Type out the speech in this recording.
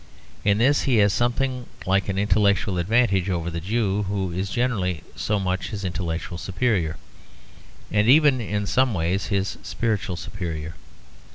In this he has something like an intellectual advantage over the Jew, who is generally so much his intellectual superior; and even in some ways his spiritual superior.